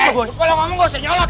kalau ngomong gue usah nyolot